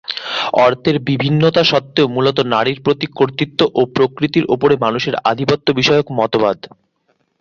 অর্থের বিভিন্নতা সত্ত্বেও মুলত নারীর প্রতি কর্তৃত্ব ও প্রকৃতির ওপর মানুষের আধিপত্য বিষয়ক মতবাদ।